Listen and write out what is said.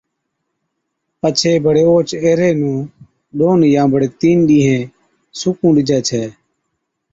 پڇي بڙي اوهچ ايهري نُون ڏون يان بڙي تِين ڏِينهين سُوڪُون ڏِجَي ڇَي،